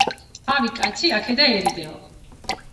ავი კაცი აქე და ერიდეო